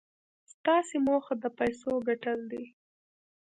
ستاسې موخه د پيسو ګټل دي.